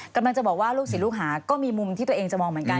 กำลังจะบอกว่าลูกศิษย์ลูกหาก็มีมุมที่ตัวเองจะมองเหมือนกัน